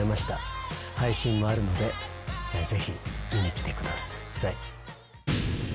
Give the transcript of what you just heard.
配信もあるのでぜひ見に来てください。